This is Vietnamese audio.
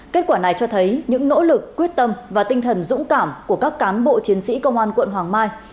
kết quả này cho thấy những nỗ lực quyết tâm và tinh thần dũng cảm của các cán bộ chiến sĩ công an quận hoàng mai